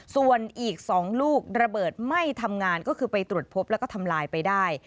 ส่วนอีก๒ลูกระเบิดไม่ทำงานก็คือไปตรวจพบแล้วก็ทำลายไปได้